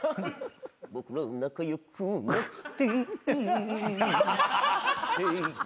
「僕らは仲良くなくていい」